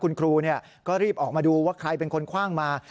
คุณครูก็รีบออกมาดูว่าใครเป็นคนคว่างมา